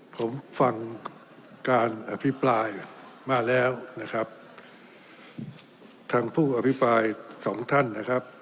ผมฟังการอภิปรายมาแล้วนะครับทางผู้อภิปรายสองท่านนะครับ